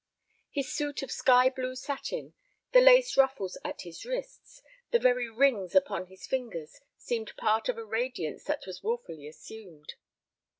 His suit of sky blue satin, the lace ruffles at his wrists, the very rings upon his fingers, seemed part of a radiance that was wilfully assumed.